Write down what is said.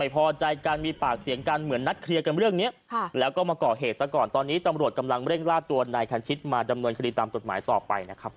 อภัยการมีปากเสียงการเหมือนนัดเคลียร์กันเรื่องนี้แล้วก็มาเกาะเหตุตอนนี้จำโรดเร่งล่าตัวนายคันชิตมาจำนวนคดีตามจดหมายต่อไปนะครับ